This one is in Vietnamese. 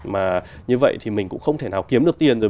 mà như vậy thì mình cũng không thể nào kiếm được tiền rồi